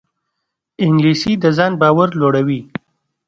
انګلیسي د ځان باور لوړوي